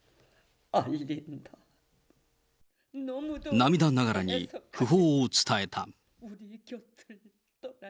涙ながらに訃報を伝えた。